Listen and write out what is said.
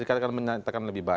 dikatakan menyatakan lebih baik